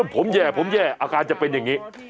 ผมแย่ผมแย่อาการจะเป็นอย่างนี้